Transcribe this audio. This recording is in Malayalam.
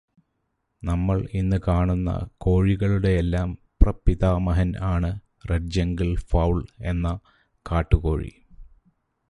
നമ്മൾ ഇന്ന് കാണുന്ന കോഴികളുടെയെല്ലാം പ്രപിതാമഹൻ ആണ് ‘റെഡ് ജംഗിൾ ഫൗൾ’ എന്ന കാട്ടുകോഴി.